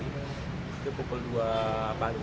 itu pukul dua bandung